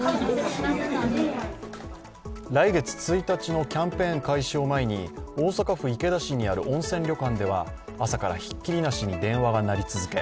来月１日のキャンペーン開始を前に大阪府池田市にある温泉旅館では朝からひっきりなしに電話が鳴り続け